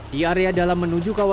di area dalam menuju kawasan